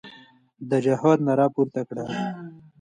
د جهاد ناره پورته کړه.